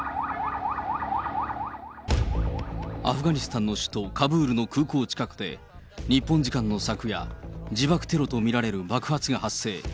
アフガニスタンの首都カブールの空港近くで、日本時間の昨夜、自爆テロと見られる爆発が発生。